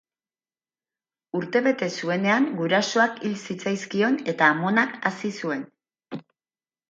Urtebete zuenean gurasoak hil zitzaizkion eta amonak hazi zuen.